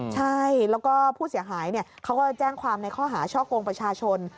ใช่แล้วก็ผู้เสียหายเขาก็แจ้งความในข้อหาช่อกงประชาชน